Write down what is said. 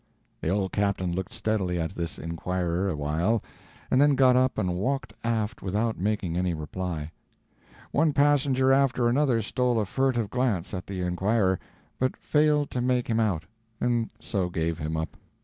The old captain looked steadily at this inquirer awhile, and then got up and walked aft without making any reply. One passenger after another stole a furtive glance at the inquirer; but failed to make him out, and so gave him up.